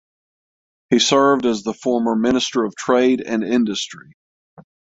He served as the former Minister of Trade and Industry.